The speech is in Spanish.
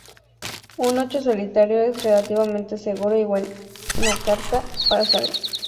Un ocho solitario es relativamente seguro y buena carta para salir.